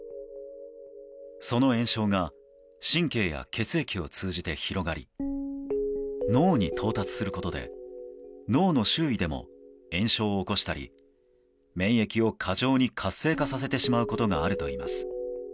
その炎症が神経や血液を通じて広がり脳に到達することで脳の周囲でも炎症を起こしたり、免疫を過剰に活性化させてしまうことがあるといいます。